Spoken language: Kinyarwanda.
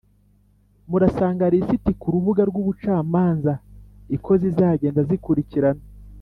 murasanga lisiti ku rubuga rw’ubucamanza iko zizagenda zikurikirana